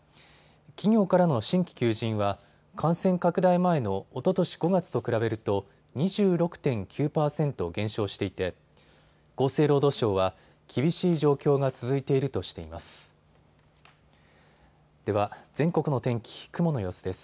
企業からの新規求人は感染拡大前のおととし５月と比べると２６．９％減少していて厚生労働省は厳しい状況が続いているとしています。